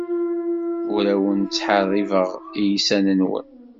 Ur awen-ttḥeṛṛibeɣ iysan-nwen.